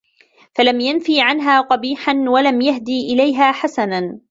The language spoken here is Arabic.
فَلَمْ يَنْفِ عَنْهَا قَبِيحًا وَلَمْ يَهْدِ إلَيْهَا حَسَنًا